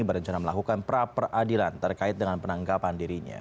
berencana melakukan pra peradilan terkait dengan penanggapan dirinya